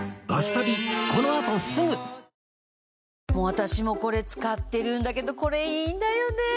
私もこれ使ってるんだけどこれいいんだよね！